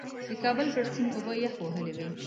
د کابل پر سیند اوبه یخ وهلې وې.